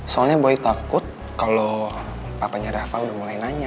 soalnya boy takut kalo papanya reva udah mulai nanya